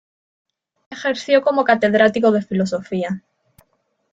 Ejerció como catedrático de Filosofía.